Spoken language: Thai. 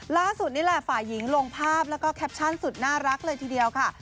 ล่าสุดนี่แหละฝ่ายหญิงลงภาพแล้วก็แคปชั่นสุดน่ารักเลยทีเดียวค่ะ